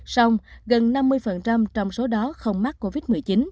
xong gần năm mươi trong số đó không mắc covid một mươi chín